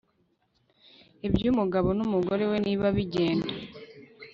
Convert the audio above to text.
iby'umugabo n'umugore we niba bigenda